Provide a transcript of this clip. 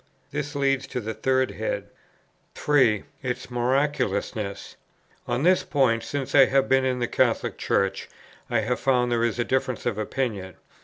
This leads to the third head. 3. Its miraculousness. On this point, since I have been in the Catholic Church, I have found there is a difference of opinion.